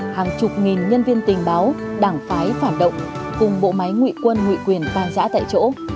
hàng chục nghìn nhân viên tình báo đảng phái phản động cùng bộ máy ngụy quân ngụy quyền tan giã tại chỗ